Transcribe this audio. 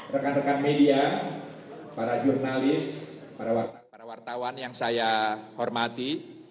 rekan rekan media para jurnalis para wartawan yang saya hormati